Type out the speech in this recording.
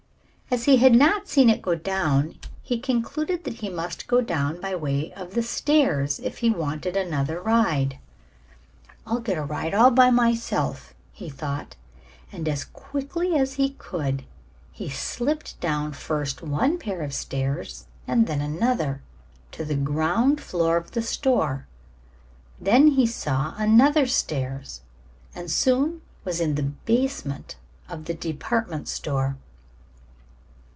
As he had not seen it go down he concluded that he must go down by way of the stairs if he wanted another ride. "I'll get a ride all by myself," he thought, and as quickly as he could, he slipped down first one pair of stairs and then another, to the ground floor of the store. Then he saw another stairs, and soon was in the basement of the department store.